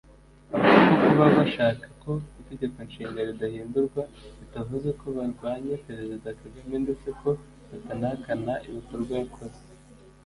avuga ko kuba bashaka ko Itegeko Nshinga ridahindurwa bitavuze ko barwanya Perezida Kagame ndetse ko batanahakana ibikorwa yakoze